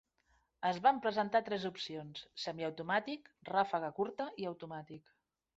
Es van presentar tres opcions: semiautomàtic, ràfega curta, i automàtic.